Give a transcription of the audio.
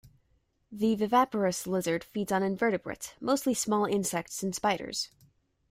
The viviparous lizard feeds on invertebrates, mostly small insects and spiders.